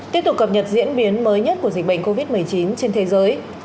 tiếp tục cập nhật diễn biến mới nhất của dịch bệnh covid một mươi chín trên thế giới